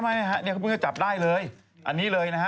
ไม่นี่เค้าพึ่งถึงจะจับได้เลย